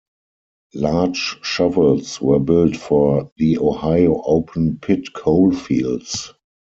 Large shovels were built for the Ohio open pit coalfields.